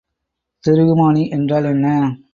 திருகுமானி என்றால் என்ன?